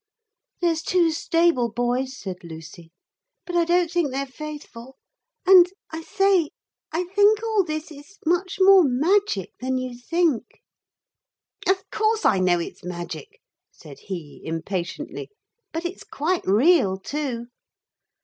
'There's two stable boys,' said Lucy, 'but I don't think they're faithful, and I say, I think all this is much more magic than you think.' 'Of course I know it's magic,' said he impatiently; 'but it's quite real too.'